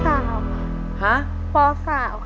ขอเชิญน้องต้นข้าวมาต่อชีวิตเป็นคนต่อไปครับ